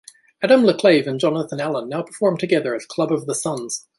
Adam LaClave and Jonathan Allen now perform together as Club of the Sons.